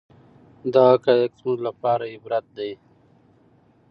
دا حقایق زموږ لپاره عبرت دي.